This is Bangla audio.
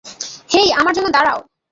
হেই, আমার জন্য দাঁড়াও।